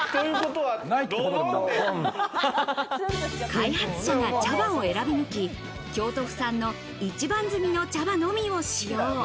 開発者が茶葉を選び抜き、京都府産の一番摘みの茶葉のみを使用。